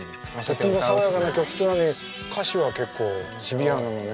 とっても爽やかな曲調なのに歌詞は結構シビアなのねっていう。